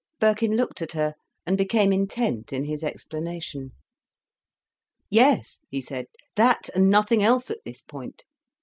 Birkin looked at her, and became intent in his explanation. "Yes," he said, "that and nothing else, at this point.